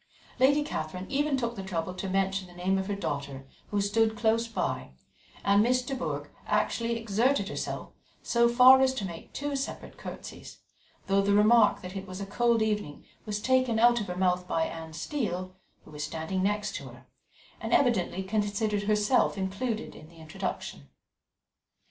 Lady Catherine even took the trouble to mention the name of her daughter, who stood close by, and Miss de Bourgh actually exerted herself so far as to make two separate curtsies, though the remark that it was a cold evening was taken out of her mouth by Anne Steele, who was standing next to her, and evidently considered herself included in the introduction.